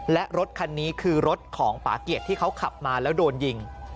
และรถคันนี้คือรถของป่าเกียจที่เขาขับมาแล้วโดนยิง